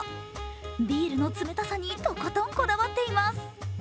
ビールの冷たさにとことんこだわっています。